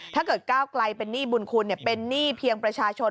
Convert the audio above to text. ถ้าเกิดก้าวไกลเป็นหนี้บุญคุณเป็นหนี้เพียงประชาชน